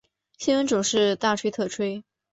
新闻总是大吹特吹